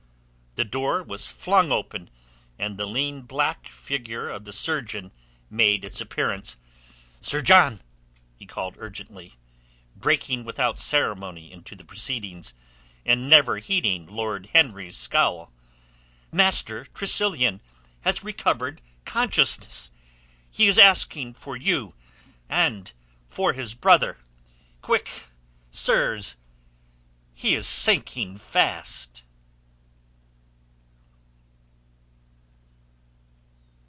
The door was flung open, and the lean black figure of the surgeon made its appearance. "Sir John!" he called urgently, breaking without ceremony into the proceedings, and never heeding Lord Henry's scowl. "Master Tressilian has recovered consciousness. He is asking for you and for his brother. Quick, sirs! He is sinking fast."